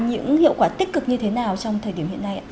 những hiệu quả tích cực như thế nào trong thời điểm hiện nay ạ